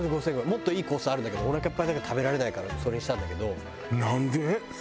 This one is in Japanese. もっといいコースあるんだけどおなかいっぱい食べられないからそれにしたんだけど。